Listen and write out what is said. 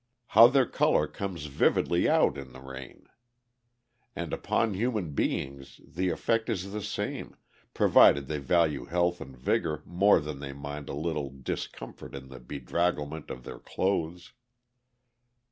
How their color comes vividly out in the rain! And upon human beings the effect is the same, provided they value health and vigor more than they mind a little discomfort in the bedragglement of their clothes.